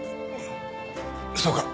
そうか。